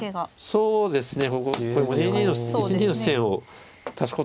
そうですね。